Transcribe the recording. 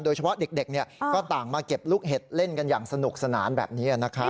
โดยเฉพาะเด็กก็ต่างมาเก็บลูกเห็ดเล่นกันอย่างสนุกสนานแบบนี้นะครับ